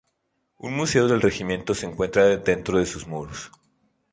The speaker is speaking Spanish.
Un museo del regimiento se encuentra dentro de sus muros.